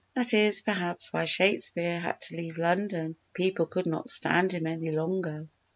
That is, perhaps, why Shakespeare had to leave London—people could not stand him any longer."